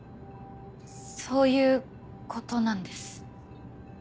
そういうことなんです。